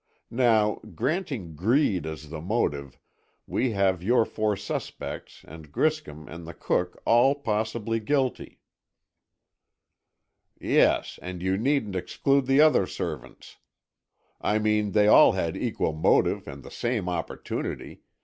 Now, granting greed as the motive, we have your four suspects and Griscom and the cook all possibly guilty." "Yes, and you needn't exclude the other servants. I mean they all had equal motive and the same opportunity.